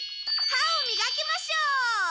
歯をみがきましょう！